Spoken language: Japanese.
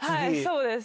そうです。